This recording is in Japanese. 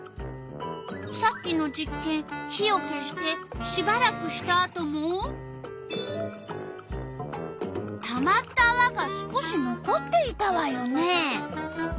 さっきの実験火を消してしばらくしたあともたまったあわが少し残っていたわよね。